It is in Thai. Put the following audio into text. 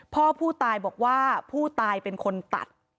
พ่อผู้ตายบอกว่าผู้ตายเป็นคนตัด